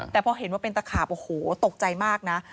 แต่พอเห็นว่าเป็นตะขาบโอ้โหตกใจมากนะ